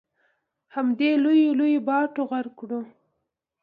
همدې لویو لویو باټو غرق کړو.